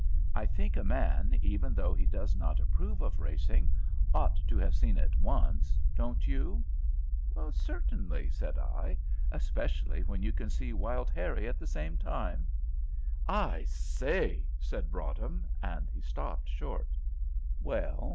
I think a man, even though he does not approve of racing, ought to have seen it once don't you?" "Certainly," said I, "especially when you can see Wild Harrie at the same time." "I say," said Broadhem, and he stopped short. "Well?"